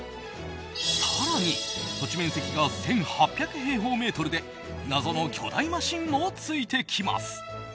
更に、土地面積が１８００平方メートルで謎の巨大マシンもついてきます。